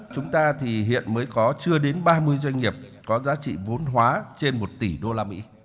chúng ta thì hiện mới có chưa đến ba mươi doanh nghiệp có giá trị vốn hóa trên một tỷ usd